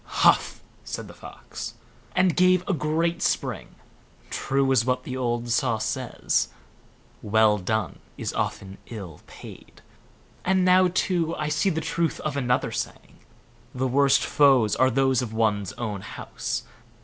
"HUF", said the Fox, and gave a great spring; "true it is what the old saw says, 'Well done is often ill paid'; and now, too, I see the truth of another saying, 'The worst foes are those of one's own house.